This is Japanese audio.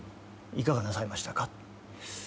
いかがなさいましたか？